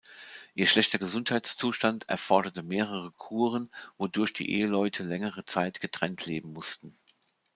Ihr schlechter Gesundheitszustand erforderte mehrere Kuren, wodurch die Eheleute längere Zeit getrennt leben mussten.